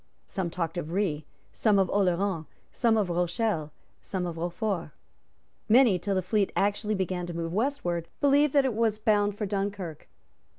Some talked of Rhe, some of Oleron, some of Rochelle, some of Rochefort. Many, till the fleet actually began to move westward, believed that it was bound for Dunkirk.